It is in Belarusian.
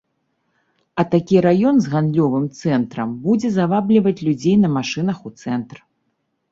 А такі раён з гандлёвым цэнтрам будзе завабліваць людзей на машынах у цэнтр.